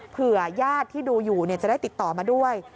ญาติที่ดูอยู่จะได้ติดต่อมาด้วย